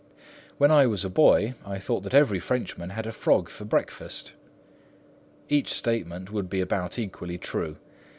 When I was a boy, I thought that every Frenchman had a frog for breakfast. Each statement would be about equally true.